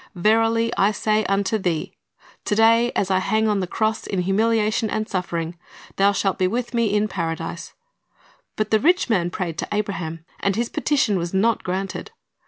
Verily say unto thee to , y (as I hang on the cross in humiliation and suffering), thoL shalt be with Me in Paradise. But the rich man prayed to Abraham, and his petition was not granted.